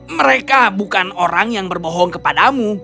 mereka bukan orang yang berbohong kepadamu